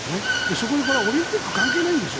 そこにオリンピック関係ないんですよ。